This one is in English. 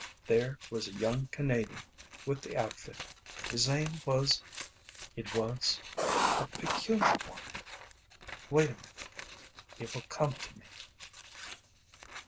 There was a young Canadian with the outfit. His name was it was ... a peculiar one ... wait a minute it will come to me...."